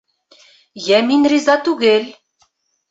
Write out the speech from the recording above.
Йә мин риза түгел!